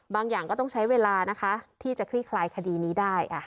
อย่างก็ต้องใช้เวลานะคะที่จะคลี่คลายคดีนี้ได้